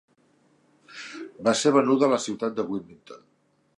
Va ser venuda a la ciutat de Wilmington.